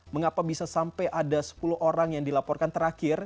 mengapa bisa sampai ada sepuluh orang yang dilaporkan terakhir